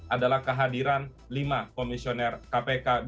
adalah kehadiran lima komisioner kpk